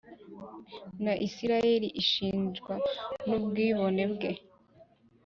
Na isirayeli ashinjwa n ubwibone bwe